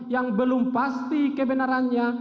yang belum pasti kebenarannya